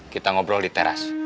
kita ngobrol di teras